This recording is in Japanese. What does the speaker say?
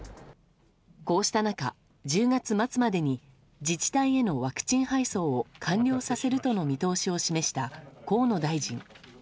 こうした中、１０月末までに自治体へのワクチン配送を完了させるとの見通しを示した河野大臣。